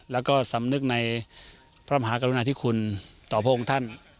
แล้วก็สำนึกในพระมหากรุณาธิคุณต่อพระองค์ท่าน